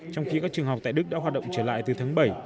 trong khi các trường học tại đức đã hoạt động trở lại từ tháng bảy